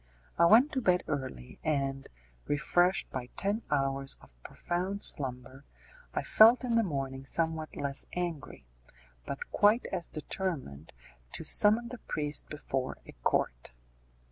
I went to bed early, and, refreshed by ten hours of profound slumber, I felt in the morning somewhat less angry, but quite as determined to summon the priest before a court.